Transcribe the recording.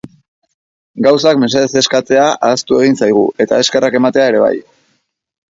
Gauzak mesedez eskatzea ahaztu egin zaigu eta eskerrak ematea ere bai.